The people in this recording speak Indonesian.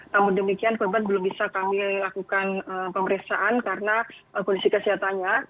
namun demikian korban belum bisa kami lakukan pemeriksaan karena kondisi kesehatannya